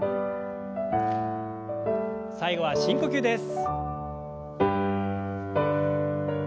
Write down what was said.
最後は深呼吸です。